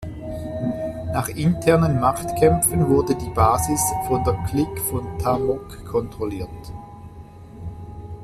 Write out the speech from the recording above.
Nach internen Machtkämpfen wurde die Basis von der Clique von Ta Mok kontrolliert.